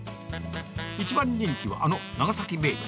一番人気はあの長崎名物。